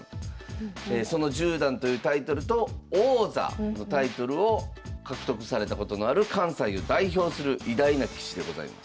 その十段というタイトルと王座のタイトルを獲得されたことのある関西を代表する偉大な棋士でございます。